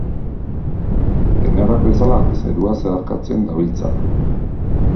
Enarak bezala zerua zeharkatzen dabiltza.